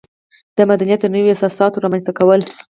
د مدنیت د نویو اساساتو رامنځته کول.